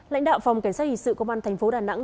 lãnh đạo phòng cảnh sát hình sự công an thành phố đà nẵng